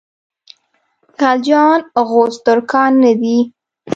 خلجیان غوز ترکان نه دي.